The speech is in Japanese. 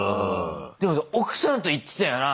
でも奥さんと行ってたよな？